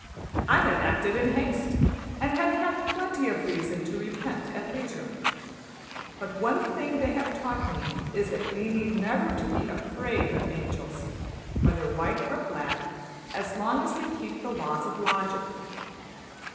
I have acted in haste and have had plenty of reason to repent at leisure. But one thing they have taught me is that we need never be \emph{afraid} of angels, whether white or black, as long as we keep the laws of logic.